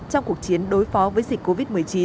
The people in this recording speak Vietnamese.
trong cuộc chiến đối phó với dịch covid một mươi chín